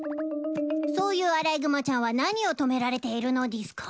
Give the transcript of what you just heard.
そういうアライグマちゃんは何を止められているのでぃすか？